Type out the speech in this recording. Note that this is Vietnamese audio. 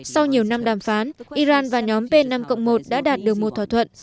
sau nhiều năm đàm phán iran và nhóm p năm một đã đạt được một thỏa thuận